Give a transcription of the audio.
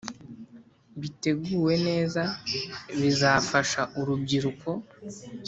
biteguwe neza bizafasha urubyiruko